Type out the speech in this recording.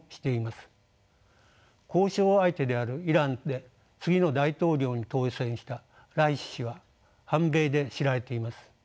交渉相手であるイランで次の大統領に当選したライシ師は反米で知られています。